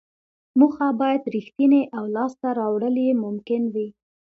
موخه باید ریښتینې او لاسته راوړل یې ممکن وي.